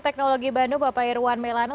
teknologi bandung bapak irwan melana